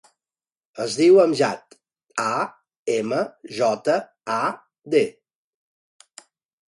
Es diu Amjad: a, ema, jota, a, de.